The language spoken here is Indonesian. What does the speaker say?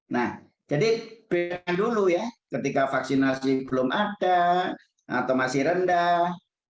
nah jadi pilihan dulu ya ketika vaksinasi belum ada atau masih rendah